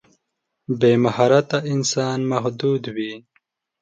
بې مهارته انسان محدود وي.